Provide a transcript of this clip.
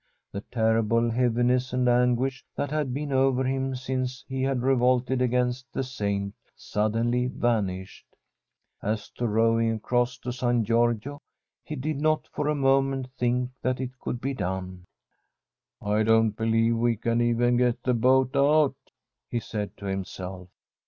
The terrible heaviness and anguish that had been over him since he had revolted against the Saint sud denly vanished. As to rowing across to San From a SITE DISH HOMESTEAD Giorgio, he did not for a moment think that it could be done. * I don't believe we can even get the boat out/ he said to himself.